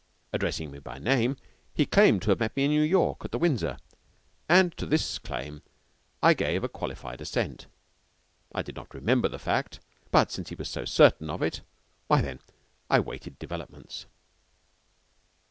Addressing me by name, he claimed to have met me in New York, at the Windsor, and to this claim I gave a qualified assent. I did not remember the fact, but since he was so certain of it, why, then I waited developments.